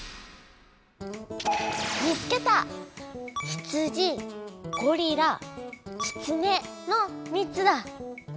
「ひつじ」「ごりら」「きつね」の３つだ！